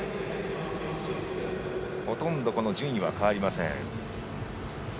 ほとんど順位は変わりません。